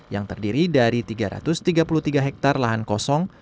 yang terdiri dari tiga ratus tiga puluh tiga hektare lahan kosong